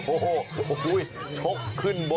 โอ้โหโอ้โหโอ้โหโอ้โหโอ้โหโอ้โหโอ้โห